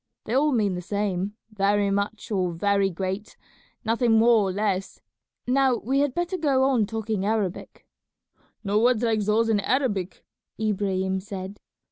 They all mean the same, 'very much' or 'very great,' nothing more or less. Now we had better go on talking Arabic." "No words like those in Arabic," Ibrahim said.